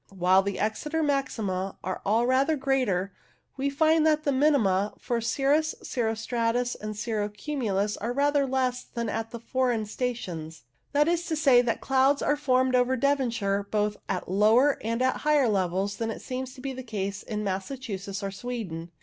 While the Exeter maxima are all rather greater, we find the minima for cirrus, cirro stratus, and cirro cumulus are rather less than at the foreign stations ; that is to say, that clouds are formed over COMPARISON OF RESULTS 151 Devonshire both at lower and at higher levels than seems to be the case in Massachusetts or Sweden.